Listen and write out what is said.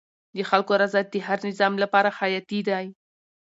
د خلکو رضایت د هر نظام لپاره حیاتي دی